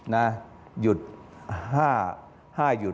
นะหยุด๕ห้าหยุด